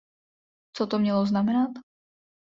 Co to mělo znamenat?